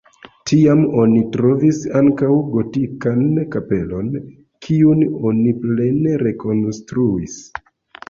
Tiam oni trovis ankaŭ gotikan kapelon, kiun oni plene rekonstruis.